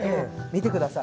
見てください。